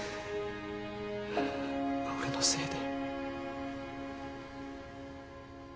俺のせいで。